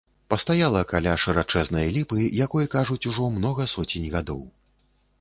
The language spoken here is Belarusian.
Пастаяла каля шырачэзнай ліпы, якой, кажуць, што ўжо многа соцень гадоў.